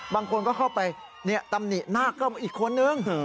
บางคนก็เข้าไปตำหนิหน้าก็อีกคนนึง